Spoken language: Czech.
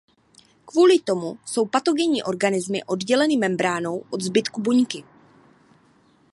Kvůli tomu jsou patogenní organismy odděleny membránou od zbytku buňky.